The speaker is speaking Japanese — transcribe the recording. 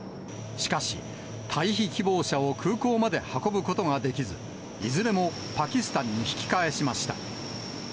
しかし、退避希望者を空港まで運ぶことができず、いずれもパキスタンに引き返しました。